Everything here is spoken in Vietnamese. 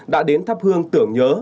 đã đến thắp hương tưởng nhớ